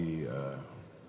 contoh suri teladan